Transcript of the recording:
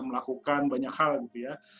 melakukan banyak hal gitu ya